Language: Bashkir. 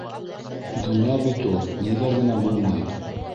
Донъя бит ул. Ниҙәр генә булмай.